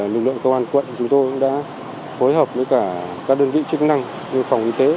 lực lượng công an quận chúng tôi cũng đã phối hợp với cả các đơn vị chức năng như phòng y tế